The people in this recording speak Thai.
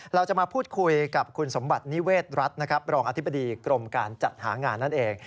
เราจะมาพูดคุยกับคุณสมบัตินิเวศรัฐนะครับรองอธิบดีกรมการจัดหางานนั่นเอง